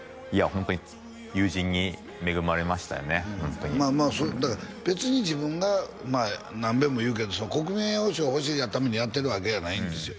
ホントに友人に恵まれましたよねまあまあだから別に自分がまあ何べんも言うけど国民栄誉賞を欲しいがためにやってるわけじゃないんですよ